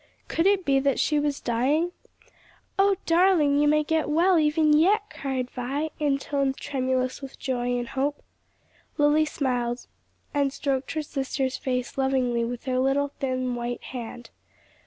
Could it be that she was dying? "Oh, darling, you may get well even yet?" cried Vi, in tones tremulous with joy and hope. Lily smiled, and stroked her sister's face lovingly with her little thin white hand.